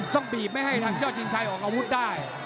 ต้องปีบไม่ให้ทางชั่วจินทรายออกอาวุธได้